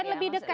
dan lebih dekat